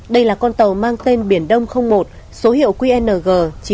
đây là con tàu mang tên biển đông một số hiệu qng chín mươi nghìn chín trăm chín mươi chín